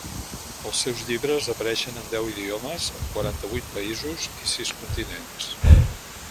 Els seus llibres apareixen en deu idiomes, en quaranta-vuit països i sis continents.